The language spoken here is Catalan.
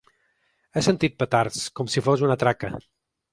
He sentit petards, com si fos una traca.